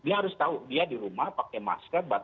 dia harus tahu dia di rumah pakai masker